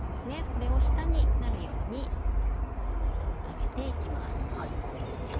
これを下になるように揚げて行きます。